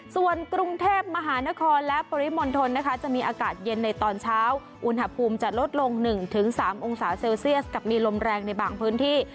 ส่วนกรุงเทพมหานครและปริมณฑลนะคะจะมีอากาศเย็นในตอนเช้าอุณหภูมิจะลดลง๑๓องศาเซลเซียสกับมีลมแรงในบางพื้นที่